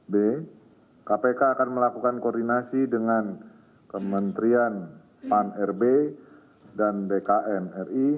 b kpk akan melakukan koordinasi dengan kementerian pan rb dan bkn ri